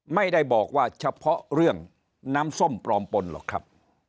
ไม่ได้บอกว่าเฉพาะเรื่องน้ำส้มปลอมปนหรอกครับ